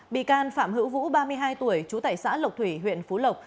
bị can phạm hữu vũ ba mươi hai tuổi chú tài xã lộc thủy huyện phú lộc